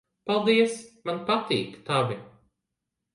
Paldies. Man patīk tavi.